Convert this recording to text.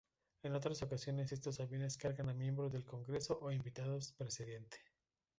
En otras ocasiones estos aviones cargan a miembros del congreso o invitados del presidente.